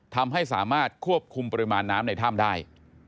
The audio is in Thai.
ทำให้สามารถควบคุมปริมาณน้ำในถ้ำได้